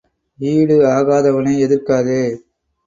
ஈடு ஆகாதவனை எதிராக்காதே.